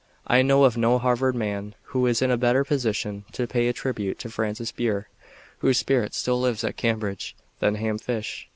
I know of no Harvard man who is in a better position to pay a tribute to Francis Burr, whose spirit still lives at Cambridge, than Ham Fish.